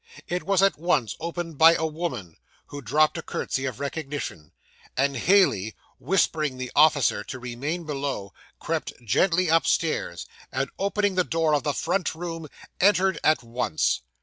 It was at once opened by a woman, who dropped a curtsey of recognition, and Heyling, whispering the officer to remain below, crept gently upstairs, and, opening the door of the front room, entered at once.